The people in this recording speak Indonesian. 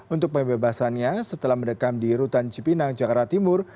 untuk pembebasannya setelah mendekam di rutan cipinang jakarta timur